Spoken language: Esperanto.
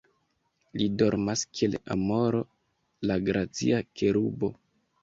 Li dormas kiel amoro, la gracia kerubo.